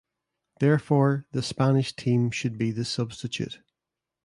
Therefore the Spanish team should be the substitute.